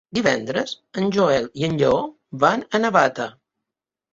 Divendres en Joel i en Lleó van a Navata.